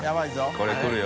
これ来るよ。